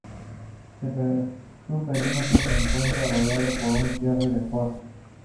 Su perímetro se encuentra rodeado por un cierre de forja.